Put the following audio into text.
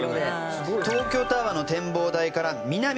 東京タワーの展望台から南の方角